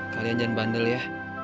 kalian jangan bandel ya